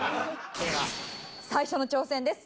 では最初の挑戦です。